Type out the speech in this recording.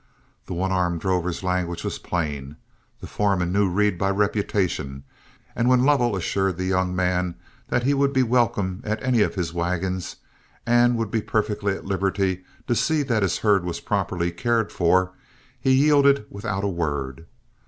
The one armed drover's language was plain, the foreman knew Reed by reputation, and when Lovell assured the young man that he would be welcome at any of his wagons, and would be perfectly at liberty to see that his herd was properly cared for, he yielded without a word.